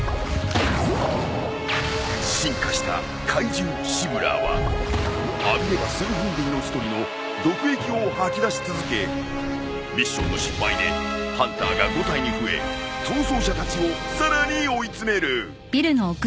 進化した怪獣シブラーは浴びれば数分で命取りの毒液を吐き出し続けミッションの失敗でハンターが５体に増え逃走者たちをさらに追い詰める。